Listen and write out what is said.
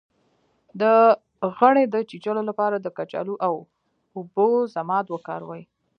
د غڼې د چیچلو لپاره د کچالو او اوبو ضماد وکاروئ